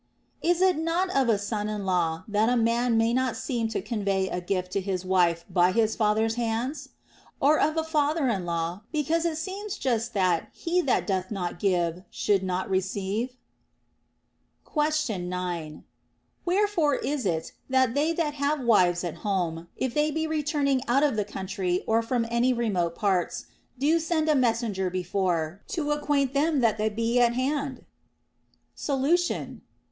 Is it not of a son in law, that a man may not seem to convey a gift to his wife by his father's hands ? and of a father in law, because it seems just that he that doth not give should not receive ? Question 9. Wherefore is it that they that have wives at home, if they be returning out of the country or from any remote parts, do send a messenger before, to acquaint them that they be at hand? Solution.